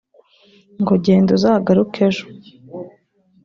ngo genda uzagaruke ejo